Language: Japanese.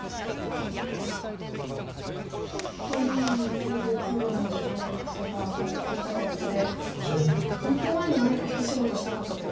ちょっと今の手で黒の勝率が上がってきたということで抜く前に何か一仕事したかったという。